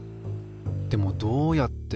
でもどうやって。